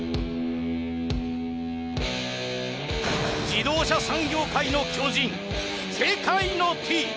自動車産業界の巨人世界のＴ